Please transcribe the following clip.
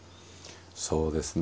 そうですね